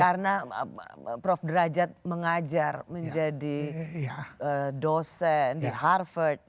karena prof derajat mengajar menjadi dosen di harvard ya